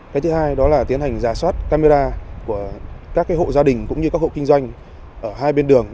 cái thứ hai đó là tiến hành giả soát camera của các hộ gia đình cũng như các hộ kinh doanh ở hai bên đường